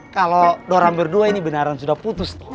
kalau kamu orang berdua ini beneran sudah putus toh